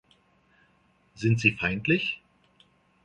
Sind sie feindlich?